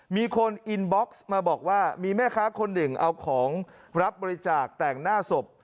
มีคนอินบ็อกซ์มาบอกว่ามีแม่ค้าคนหนึ่งเอาของรับบริจาคแต่งหน้าศพ